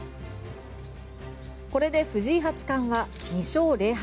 これで藤井八冠は２勝０敗。